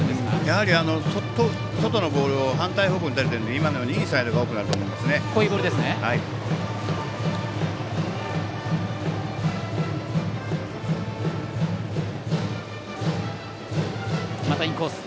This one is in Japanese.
やはり外のボールを反対方向に打たれているのでインサイドが多くなると思います。